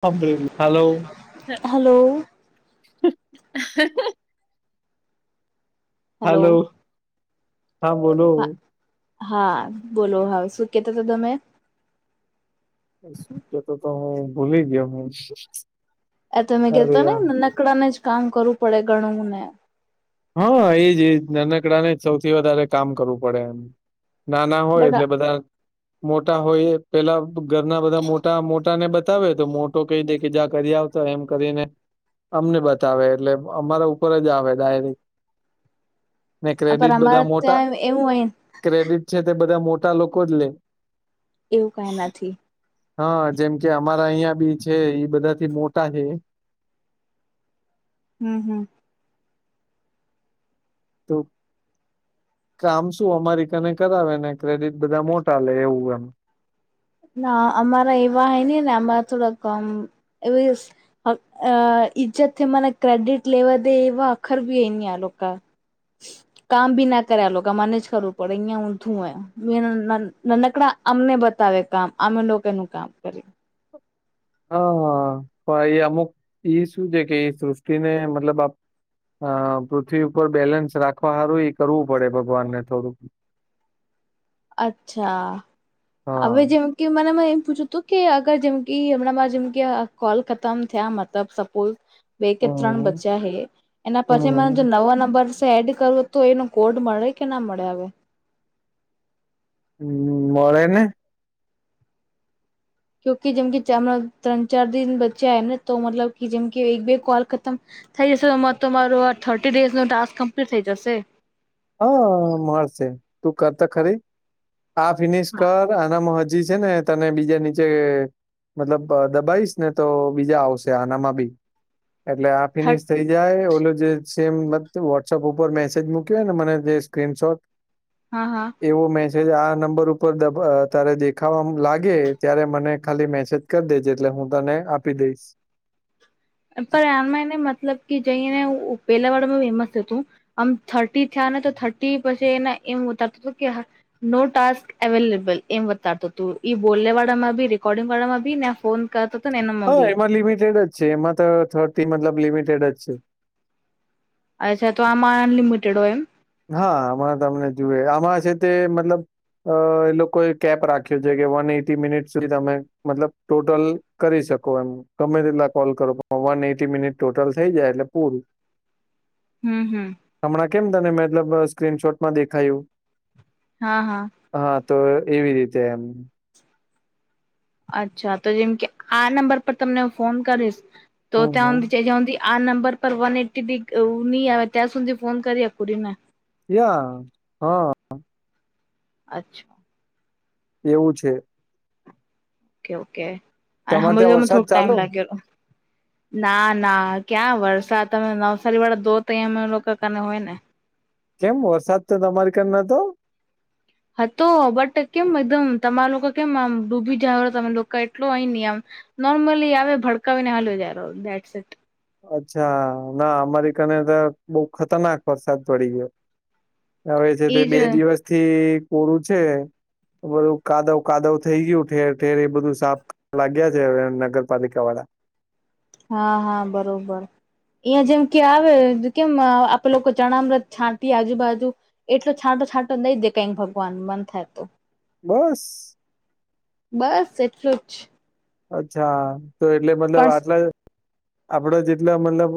[inaudible] Hello hello [unintelligible] હાલો hello હા બોલો હા. હા બોલો હા શું કેતા તા તમે? શું કેતો તો હું ભૂલી ગયો હું. એ તમે અરે કેતા ને યાર ને નાનકડા ને જ કામ કરવું પડે ઘણું ને. હા એજ એજ નાનકડા ને જ સૌથી વધારે કામ કરવું પડે એમ. નાના હોય એટલે બટ બધા મોટા હોય એ પેલા ઘરના બધા મોટા મોટાને બતાવે તો મોટો કઈ દે કે જા કરી આવ તો એમ કરીને અમને બતાવે એટલે અમારા ઉપર જ આવે ડાયરેક. ને પર ક્રેડિટ અમારે બધા મોટા, ત્યાં એવું હોય ક્રેડિટ છે તે બધા મોટા લોકો જ લે. એવું કઈ નથી. હા જેમ કે અમારા અહિયાં બી છે એ બધાથી મોટા છે. હમ હમ. તો કામ શું અમારી કને કરાવે ને ક્રેડિટ બધા મોટા લે એવું એમ. ના અમારા એવા હે ની ને અમારા [unintelligible] અ ઈજ્જત થી મને ક્રેડિટ લેવા દે એવા [unintelligible] બી એની આ લોકા. કામ ભી ના કરે આ લોકો મને જ કરવું પડે અહિયાં ઊંધું હે. મે નાન નાનકડા અમને બતાવે કામ અમે લોકોનું કામ કરી. હા પણ એ અમુક ઈ શું છે કે એ સૃષ્ટિને મતલબ આપ અ પૃથ્વી ઉપર બેલેન્સ રાખવા સારું ઈ કરવું પડે ભગવાનને થોડુંક. અચ્છા અવે હા જેમ કે મને એમા એમ પૂછ્યું હતું કે અગર જેમ કે હમણાં મારે જેમ કે અ કોલ ખતમ થયા મતલબ સપોઝ બે કે ત્રણ હમ બચ્યા હે એના પછી મને હમ જો નવા નંબર સેડ કરવો તો એનો કોડ મળે કે ના મળે અવે. હમ મળે ને. તો કે જેમ કે [unintelligible] ત્રણ ચાર દિન બચ્ચા એમ ને તો મતલબ કે જેમ કે એક બે કોલ ખતમ થઈ જશે [unintelligible] તો મારો આ થર્ટી ડેઝનો ટાસ્ક કમ્પ્લીટ થઈ જશે. હા મળશે તું કર તો ખરી. આ ફિનિશ હા કર આનામાં હજી છે ને તને બીજા નીચે મતલબ દબાઈશ ને તો બીજા આવશે આનામાં બી એટલે આ થર્ટ ફિનિશ થઇ જાય ઓલો જે સેમ મત વોટ્સઅપ ઉપર મેસેજ મૂક કે ને મને જે સ્ક્રીનશોટ હા હા. એવો મેસેજ આ નંબર ઉપર દબ તારે દેખાવા લાગે ત્યારે મને ખાલી મેસેજ કર દેજે એટલે હું તને આપી દઈશ. પણ આનમાં એને મતલબ કે જઈને ઉઉપેલા વાડામાં ફેમસ હતું. આમ થર્ટી થયા ને તો થર્ટી પછી એને એમ ઉતારતું [unintelligible] કે નો ટાસ્ક અવેલેબલ એમ બતાતું તું ઈ બોલને વાળા માં બી રેકોર્ડિંગ વાળામાં બી ને ફોન કરતો હતો ને એનામાં હા બી એમાં લિમિટેડ જ છે એમાં તો થર્ટી મતલબ લિમિટેડ જ છે. અચ્છા તો આમાં અનલિમિટેડ હોય એમ. હા આમાં તમને જુવે આમાં છે તે મતલબ અ એ લોકોએ કેપ રાખ્યો છે કે વન એટી મિનિટ સુધી તમે મતલબ ટોટલ કરી શકો એમ ગમે તેટલા કોલ કરો પણ વન એઈટી મિનિટ ટોટલ થઈ જાય એટલે પૂરું. હમ હમ. હમણાં કેમ તને મતલબ સ્ક્રીનશોટમાં દેખાયું. હા હા. હા તો એવી રીતે એમ. અચ્છા તો જેમ કે આ નંબર પર તમને હું ફોન કરીશ તો હમ હમ ત્યાં [unintelligible] આ નંબર પર વન એટી બી નહી આવે ત્યાં સુધી ફોન કરી હકુ રીતન યા હા. અચ્છ એવું છે. ઓકે ઓકે અને તમારે હમાં ત્યાં થોડોક વરસાદ ટાઈમ ચાલુ લાગ્યો ના ના ક્યાં વરસાદ તમે નવસારી વાળા દો તય અમે લોકોને કન હોય ને. કેમ વરસાદ તો તમારી કન નતો હતો બટ કેમ એકદમ તમારા લોકો કેમ આમ ડૂબી જાય તમે લોકો એટલો અય ની અમ નોરમલી આવે ભડકાવીને હલ્યોજાય [unintelligible] સટ. અચ્છા ના અમારી કને તો બવ ખતરનાક વરસાદ પડી ગયો. હવે છે તે ઈટ એજ બે દિવસ થી કોરું છે બધું કાદવ કાદવ થઈ ગયું ઠેર ઠેર એ બધું સાફ લાગ્યા છે હવે નગરપાલિકા વાળા. હા હા બરોબર. અહંયા જેમ કે આવે કેમ આપે લોકો ચણ મ્રત છાંટી આજુબાજુ એટલો છાંટો છાંટો દઈ દે કઈક ભગવાન મન થાય તો બસ. બસ એટલું જ. અચ્છા તો એટલે મતલબ આટલા [inaudible] આપડો જેટલા મતલબ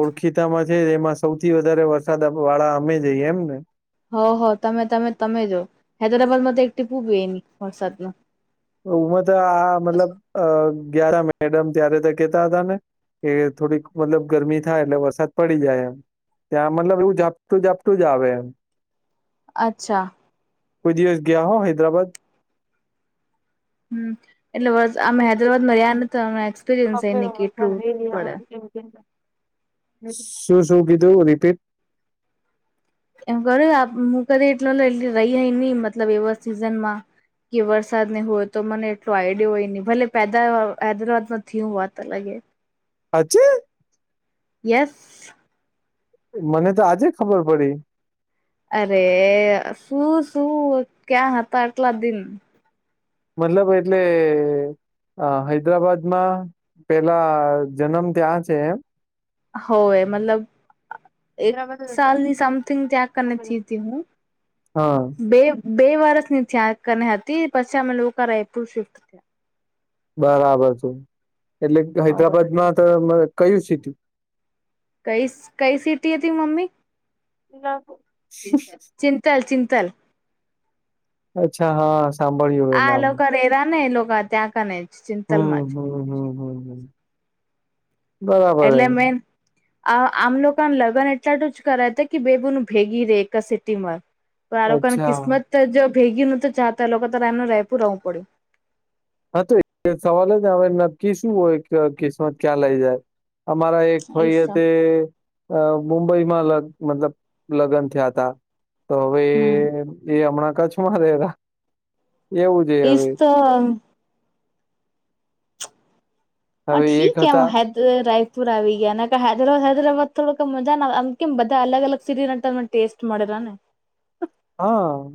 ઓળખીતામાં છે એમાં સૌથી વધારે વરસાદ વાળા અમે જઈએ એમને. હ હ તમે તમે તમે જો હૈદરાબાદ માં તો એક ટીપૂ બી ની વરસાદમાં. [unintelligible] આ મતલબ [unintelligible] ત્યારે તો કેતા હતા ને. કે થોડીક મતલબ ગરમી થાય એટલે વરસાદ પડી જાય એમ. ત્યાં મતલબ એવું ઝાપટુ ઝાપટુ જ આવે એમ. અચ્છા. કોય દિવસ ગયા સો હૈદરાબાદ. હમ એટલે વર્સ અમે હૈદરાબાદ માં રહ્યા નતા [unintelligible] [unintelligible] શું શું કીધું રિપીટ. એમ કર્યું હું કને એટલો લઈજવ અયા આઈન ની મતલબ એવોર્ડ સિઝન માં. કે વરસાદ ને હોય તો મને એટલોું આઈડયો હોય નહી ભલે [unintelligible] માંથી હું વાત અ લાગે. હજી. યસ. મને તો આજે ખબર પડી. અરે શું શું ક્યાં હતા આટલા દિન. મતલબ એટલે અ હૈદરાબાદમાં પેલા જનમ ત્યાં છે એમ. હોવે મતલબ એક સાલની સમથિંગ ત્યાં કન જ જેતી હું હા બે બે વરષ ની ત્યાં કન હતી પછી અમે લોકો રાયપુર શિફ્ટ થયા બરાબર છે એટલે થયા હૈદરાબાદમાં તો કયું સીટ કઈ કઈ સીટ હતી મમ્મી. [unintelligible] ચિંંતલ ચિંંતન. અચ્છા હા. સાભળ્યું આ લોકો રેરા ને એ લોકો ત્યાં કને. જ હમ્મ ચિંતલમાં જ હમ્મ હમ્મ હમ્મ હમ્મ એલે મે આ આમ લોકોને લગ્ન એટલા માટે જ કરાય ત કે બે બેનું ભેગી રહેે એક સંગાથે સિટીમાં તો આ લોકોને અચ્છા કિસ્મત તો જો ભેગી ન તો ચાતા લોકો તો એનું [unintelligible] રહેવું પડ્યું. હા તો સવાલ જને જેને કે નક્કી શું હોય કિસ્મત ક્યાં લઈ જાય. અમારા એક ફાઈ એસા તે અ મુંબઈમાં મતલબ લગ્ન થયા તા તો હવે હમ એ હમણાં કચ્છમાં રહેતા. એજ તો. હ હવે એક ઠીક એ હ હતા હૈદ રાયપુર આવી ગયા ને હૈદરા હૈદરાબાદ થોડોક મજા ના આવે, આમ કેમ બધા અલગ અલગ સિટી ટેસ્ટ મળેલા ને હા.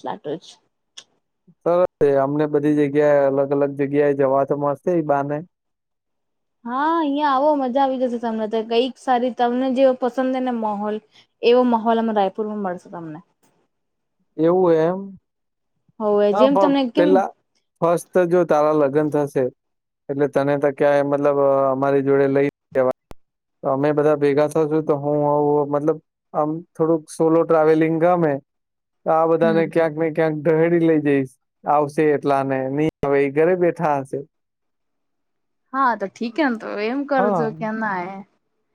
સાચો જ. સરસ અમને બધી જગ્યાએ અલગ જગ્યાએ જવા તો મળશે એ બહાને હા અહિયાં આવો મજા આવી જશે તમને તો કઈક સારી તમને જેવો પસંદ છે ને માહોલ એવો માહોલ એ રાયપુરમાં મળશે તમને. એવુ હોય એમ. હવે હા જેમ પણ તમને કેમ પેલા ફસ્ટ જો તારા લગ્ન થશે એટલે તને તો ક્યાંય મતલબ અમારી જોડે લઈ લેવા અમે બધા ભેગા થાશુ તો હું આવું મતલબ આમ થોડુંક સોલો ટ્રાવેલિંગ ગમે તો આ હમ બધાને ક્યાંક ને ક્યાંક દહેડી લઈ જઈશ, આવશે એટલાને નહી હવે ઘરે બેઠા હશે. હા તો ઠીેકે ને તો એમ હા કરજો કેમા ના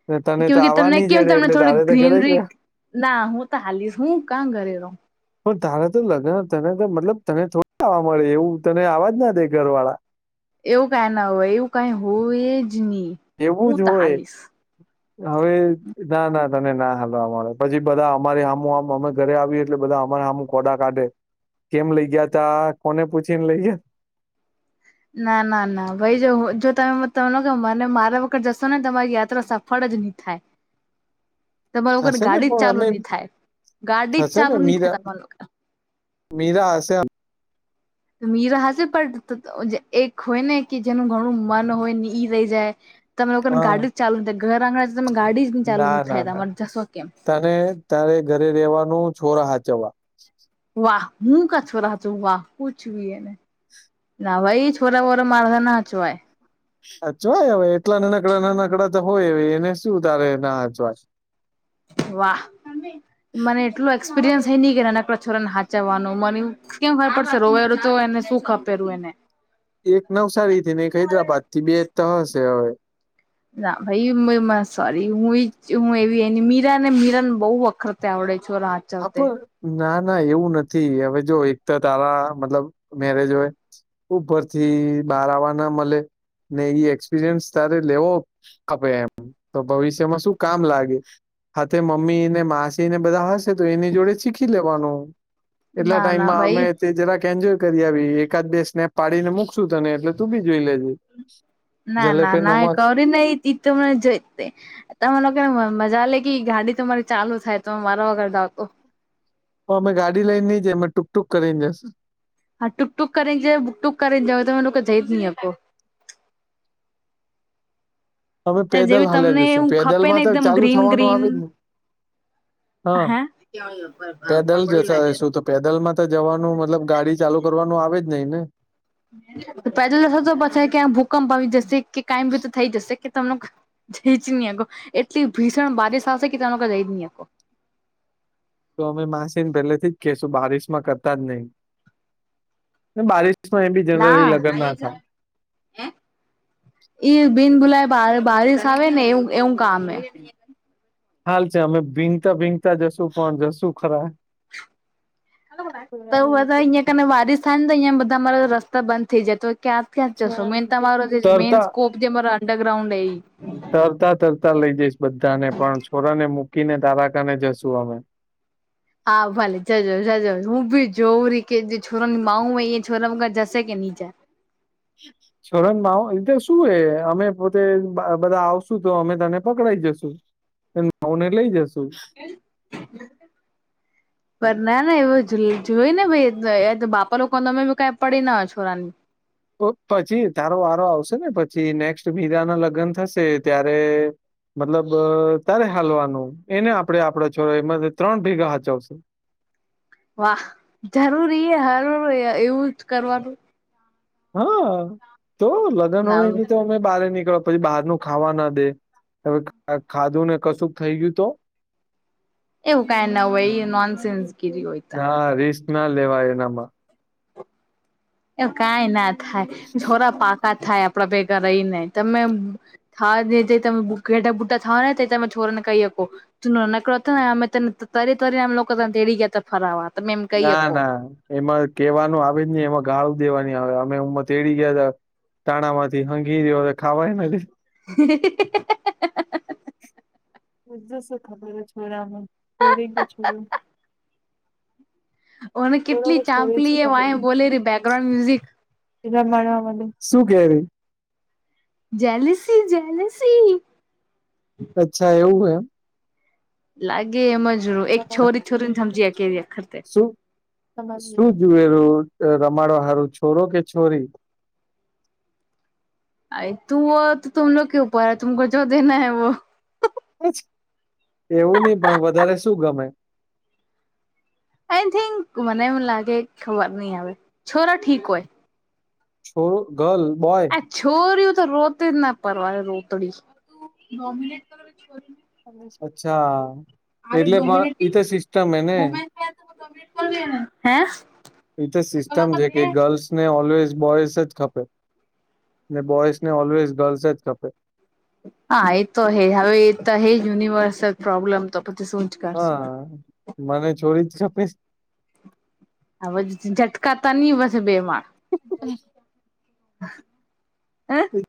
ને તને તો કેું કે આવવા તમને નહી કેમ જડે તમને એટલે થોડી તારે તો ઘરે જ ગ્રીનરી રે ના હું તો હાલીશ હું કા ઘરે રહો. પણ તારે લગ્ન તને તો મતલબ તને થોડું આવા દે તને થોડું આવા દે ઘરવાળા એવું કઈ ના હોય, એવું કઈ હોય જ નહી. એવું જ હું તો હોય. હાલીશ હવે ના ના તને ના હલવા મળે પછી બધા અમારી આમું આમ અમે ઘરે આવી એટલે બધા અમારે આમુ ધોડા કાઢે કેમ લઇ ગયા તા કોને પૂછી ને લઇ ગયા ના ના ના ભાઈ જો જો તમે ત મને મારા વખત જશો ને તમારી યાત્રા સફળ જ નહી. થાય. તમારા લોકોને થશે ને ગાડી જ પણ અમે ચાલુ નહી થાય, ગાડી જ થશે ને ચાલુ નહી થાય મીરા તમારા લોકો ના. મીરા હશે મીરા હશે, પણ એક હોય ને કે જેનું ઘણું મન હોય ને ઈ રહી જાય તમે લોકો ને હા ગાડી જ ચાલુ ન થાય ઘરઆંગણા માં તમે લોકોની ગાડી જ ને ચાલુ ના થાય ના ના તમારે જશો કેમ? તારે ઘરે રેવાનું છોરા હાચવવા. વાહ હું કા છોરા સાચવવું, વાહ કુછ વી એને. ના ભાઈ છોરા વોરા મારા થી ના હચવાય. સાચવાય હવે એટલા નાનકડા નાનકડા તો હોય એને શું તારે ના સાચવાશે. વાહ મને એટલું એક્સપિરિયન્સ થય નહિ કે નાનકડા છોરાને હા ચવાનું મને કેમ ખબર પડશે કે રોવે તો એને સુ ખપેલું એને એક નવસારી થી એક હૈદરાબાદ થી બે ત્રણ હશે હવે ના ભાઈ સોરી હું હું એવી મીરા ને મીરાને બહુ વક્રતા આવડે છોડાનું હા પણ ના ના એવું નથી હવે જો એક તો તારા મતલબ મેરેજ હોય ઉપરથી બહાર આવવા ના મલે ને એ એક્સપિરિયન્સ તારે લેવો આપે એમ તો ભવિષ્યમાં શું કામ લાગે હાથે મમ્મી ને માસી ને બધા [unintelligible] તો એની જોડે શીખી લેવાનું એટલા ના ના ટાઈમમાં અમે ભાઈ તે જરાક એન્જોય કરી આવી એકાદ બે સ્નેપ પાડીને મૂકશું તને એટલે તું બી જોઈ લેજે. ના ના જલેબી ના ના [unintelligible] નમક [unintelligible] ગાડી તમારી ચાલુ થાય તો મારા વગર [unintelligible] તો અમે ગાડી લઈને નઈ જીએ અમે ટૂક ટુંક કરીને જશે હા ટૂક ટુક કરીને જય બુક ટુક કરી ને જવ તમે લોકો જઈ જ ની હકો અમે પેદલ જેવી હાલ્યા તમને જશું હું ખપે ને પેદલમાં તો એકદમ ચાલુ ગ્રીન થવાનું ગ્રીન આવે જ ને હા હે પેદલ જતા શું તો પેદલ માં તો જવાનું મતલબ ગાડી ચાલુ કરવાનું નો આવે જ નહી ને. પેદલ જશે તો પછી ક્યાં ભૂકંપ આવી જશે કે [unintelligible] થઈ જશે કે તમને [unintelligible] એટલી ભીષણ બારીશ આવશે [unintelligible] તો અમે માસીને પહેલેથી જ કેશું બારિશ માં કરતા જ નહી બારિશ માં એ બી જનરલી ના લગન [unintelligible] ઈ બિન બુલાઈ બારિશ આવે ને એવું એવું કામ હે હાલ છે અમે ભીંગતા ભીંગતા જશુ પણ જશું ખરા. તો બધા [unintelligible] બારિશ થાય ને અયા બધા [unintelligible] રસ્તા બંધ થઇ જાય તો ત્યાં ત્યાંજ જશો મેન તમારો જે મેન તરતા સ્કોપ જે મારો અંડરગ્રાઉન્ડ એ તરતા તરતા લઈ જઈશ બધા ને પણ છોરાને મૂકીને તારાકાને જશું અમે. હા ભલે જજો જજો હું ભી જોવું [unintelligible] [inaudible] [unintelligible] અમે પોતે બધા આવશુ તો અમે તને પકડાઈ જશુ. [unintelligible] લઈ જશુ [inaudible] [unintelligible] કઈ પડી ના હોય છોરાની. તો પછી તારો વારો આવશે ને પછી નેક્સ્ટ મીરા ના લગ્ન થશે ત્યારે મતલબ તારે હાલવાનું એને આપડે આપડા છોરા એમાં ત્રણ ભેગા હાચવશું. વાહ જરૂરી એ એવું જ કરવાનું. હા તો લગન ના હોય એની તો અમે [unintelligible] પછી બહાર નું ખાવા ના દે હવે ખાધું ને કશું થઈ ગયું તો. એવું કાઈ ના હોય નોન સેન્સ કે જે હોય તો હા રિસ્ક ના લેવાય એનામાં. એ કઈ ના થાય છોરા પાકા થાય આપડા ભેગા રહીને તમે [unintelligible] તે તમે છોરો ને કહી હકો. [unintelligible] તેડી ગયા તા ફરાવા તમે કહી ના હકો ના એમાં કેવાનું આવે જ નહી એમાં ગાળું દેવાની આવે અમે [unintelligible] તેડી ગયા તા. તાણા માંથી [unintelligible] ખાવાય નથી. [inaudible] [unintelligible] [unintelligible] બેકગ્રાઉન્ડ મ્યુઝિક રમાડવા મંડે શું કે એરી. Jealousy jealousy. અચ્છા એવું હે એમ. લાગે એમજ એક છોરી છોરીને જ સમજી શકે એવખતે શું શું જોયે [unintelligible] રમાડવા હારું છોરો કે છોરી? અ તું તો તુમલો કે ઉપર તુમ જો દેના હૈ વો એવું નય પણ વધારે શું ગમે? આઈ થિંક મને એમ લાગે ખબર નહીં હવે. છોરા ઠીક હોય. છોરું ગર્લ બોય છોરીયું તો રોતે જ ના પરવા રોતડી. અચ્છા. એટલે પણ ઈ તો સિસ્ટમ એને હે? એ તો સિસ્ટમ છે કે ગર્લ્સ ને ઓલવેઝ બોયઝ જ ખપે. ને બોયઝ ને ઓલવેઝ ગર્લ્સ જ ખપે. હા એ તો હે. હવે એ તો હે જ યુનિવર્સલ પ્રોબ્લેમ. તો પછી શું. જ કરશું હા. મને છોરી જ ખપે છ. હવે ઝટકાતા ની પસી બે માળ. [inaudible]